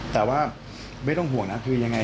แต่ว่าไม่ต้องห่วงนะคือยังไง